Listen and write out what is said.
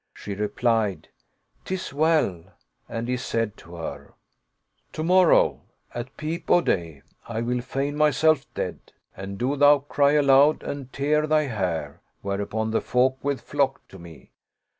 She replied, " 'Tis well ;" and he said to her, "To morrow, at peep o' day I will feign myself dead, and do thou cry aloud and tear thy hair, where upon the folk will flock to me.